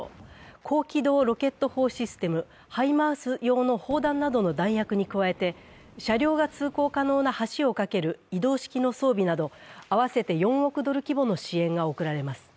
高機動ロケット砲システム、ハイマース用の砲弾などの弾薬に加えて、車両が通行可能な橋を架ける移動式の装備など合わせて４億ドル規模の支援が送られます。